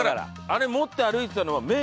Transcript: あれ持って歩いてたのは麺！